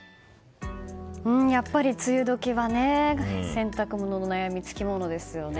やっぱり梅雨時は洗濯物の悩み、つきものですよね。